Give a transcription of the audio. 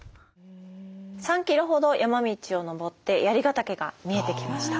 ３キロほど山道を登って槍ヶ岳が見えてきました。